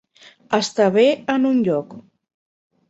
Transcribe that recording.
Estar bé en un lloc.